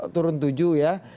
sepuluh turun tujuh ya